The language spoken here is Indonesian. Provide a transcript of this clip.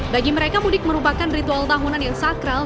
bagi mereka mudik merupakan ritual tahunan yang sakral